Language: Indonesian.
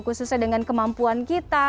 khususnya dengan kemampuan kita